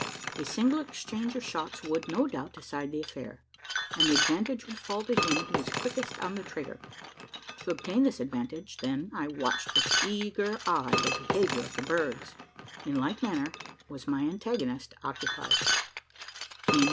A single exchange of shots would, no doubt decide the affair; and the advantage would fall to him who was "quickest on the trigger." To obtain this advantage, then, I watched with eager eye the behaviour of the birds. In like manner was my antagonist, occupied.